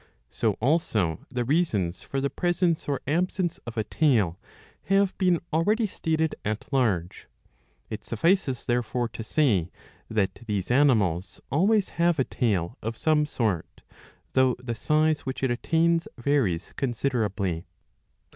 So also the reasons for the presence or absence of a tail have been already stated at large.^^ It suffices therefore to say that these animals always have a tail of some sort, though the size which it attains varies considerably.